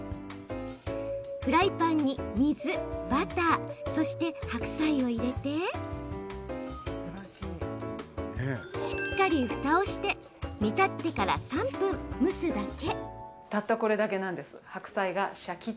フライパンに水、バターそして白菜を入れてしっかりふたをして煮立ってから、３分蒸すだけ。